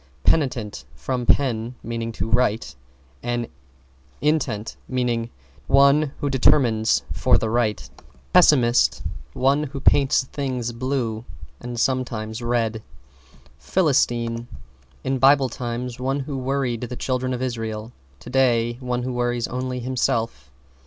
=PENITENT= From pen, meaning to write, and intent, meaning determination. One who determines for the right. =PESSIMIST= One who paints things blue. And sometimes red. =PHILISTINE= In Bible times, one who worried the children of Israel; today, one who worries only himself.